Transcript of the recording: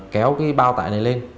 kéo cái bao tải này lên